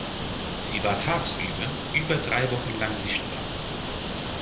Sie war tagsüber über drei Wochen lang sichtbar.